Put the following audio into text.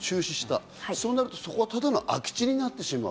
となると、そこは空き地になってしまう。